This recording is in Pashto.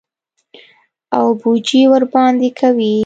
او پوجي ورباندي کوي.